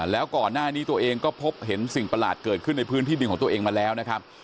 แล้วก่อนหน้านี้ตัวเองก็พบเห็นสิ่งประหลาดเกิดขึ้นในพื้นที่ดินของตัวเองมาแล้วนะครับ